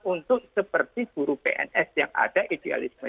untuk seperti guru pns yang ada idealisme